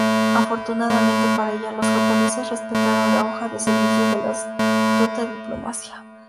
Afortunadamente para ella, los japoneses respetaron la hoja de servicios de la astuta diplomacia.